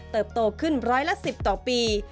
โตขึ้นร้อยละ๑๐ต่อปี